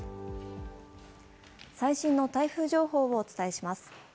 最新の台風情報をお伝えします。